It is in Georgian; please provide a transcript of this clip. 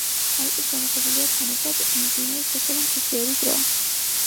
ამიტომ შემოღებულია თანაბრად მიმდინარე საშუალო მზისიერი დრო.